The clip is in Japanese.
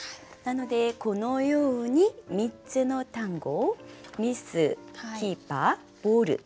なのでこのように３つの単語を「ミス」「キーパー」「ボール」